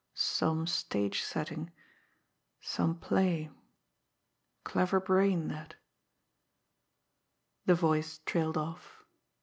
Some stage setting some play clever brain that " The voice trailed off.